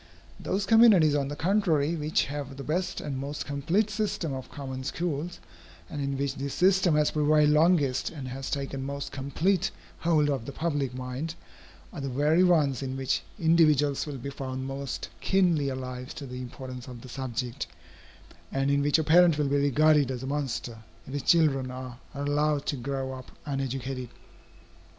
Those communities on the contrary which have the best and most complete system of common schools, and in which this system has prevailed longest and has taken most complete hold of the public mind, are the very ones in which individuals will be found most keenly alive to the importance of the subject, and in which a parent will be regarded as a monster, if his children are allowed to grow up uneducated.